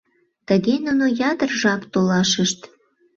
Тыге нуно ятыр жап толашышт.